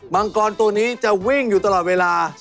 มังกรตัวนี้จะวิ่งอยู่ตลอดเวลา